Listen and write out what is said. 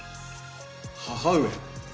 母上。